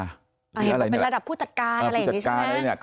เห็นละเป็นระดับผู้จัดการอะไรแบบนี้ใช่มั๊ย